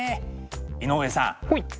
井上さん。